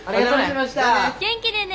元気でね。